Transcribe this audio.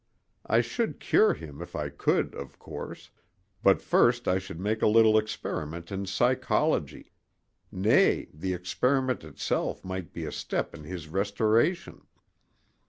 I should cure him if I could, of course, but first I should make a little experiment in psychology—nay, the experiment itself might be a step in his restoration.